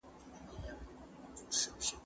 زه مخکي کتابتون ته تللي وو!.